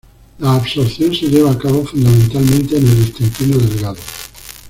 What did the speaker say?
La absorción se lleva a cabo fundamentalmente en el intestino delgado.